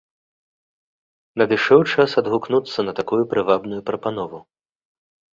Надышоў час адгукнуцца на такую прывабную прапанову.